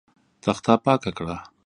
تخته پاکه ده.